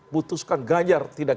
butuhkan ganjar tidak